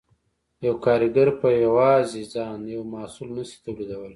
یو کارګر په یوازې ځان یو محصول نشي تولیدولی